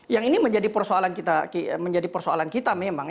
yang ini menjadi persoalan kita memang